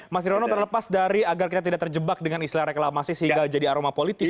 mas nirwono terlepas dari agar kita tidak terjebak dengan istilah reklamasi sehingga jadi aroma politis